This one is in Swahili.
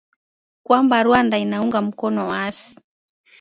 kwamba Rwanda inaunga mkono waasi